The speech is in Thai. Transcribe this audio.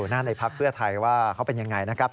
อยู่หน้าในภักดิ์เพื่อไทยว่าเขาเป็นอย่างไรนะครับ